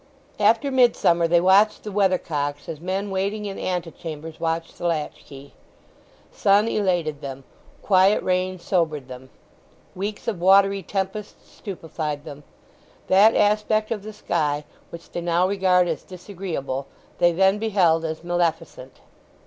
After midsummer they watched the weather cocks as men waiting in antechambers watch the lackey. Sun elated them; quiet rain sobered them; weeks of watery tempest stupefied them. That aspect of the sky which they now regard as disagreeable they then beheld as maleficent.